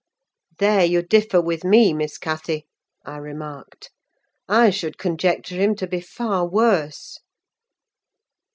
"There you differ with me, Miss Cathy," I remarked; "I should conjecture him to be far worse."